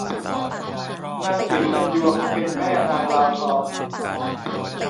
นางศรีเงินยวงเป็นแม่นางลาวทอง